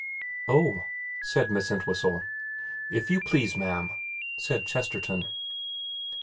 ' Oh,' said Miss Entwhistle. ' If you please, ma'am,' said Chesterton.